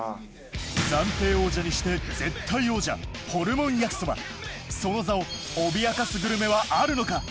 暫定王者にして絶対王者ホルモン焼きそばその座を脅かすグルメはあるのか？